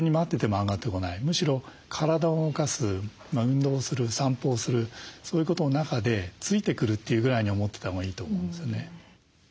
むしろ体を動かす運動をする散歩をするそういうことの中でついてくるというぐらいに思ってたほうがいいと思うんですよね。